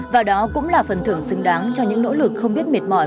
và đó cũng là phần thưởng xứng đáng cho những nỗ lực không biết mệt mỏi